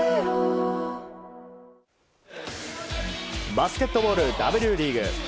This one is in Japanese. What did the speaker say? バスケットボールＷリーグ。